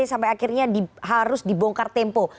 sampai akhirnya harus dibongkar tempo